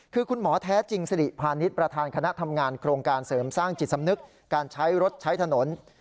คือคุณหมอแท้จริงสิริพาณิชย์ประธานคณะทำงานโครงการเสริมสร้างจิตสำนึกการใช้รถใช้ถนน